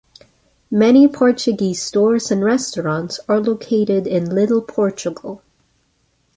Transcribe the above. Many Portuguese stores and restaurants are located in Little Portugal.